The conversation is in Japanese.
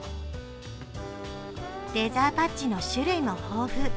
レザーパッチの種類も豊富。